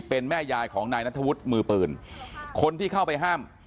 เป็นแม่ยายของนายนัทธวุฒิมือปืนคนที่เข้าไปห้าม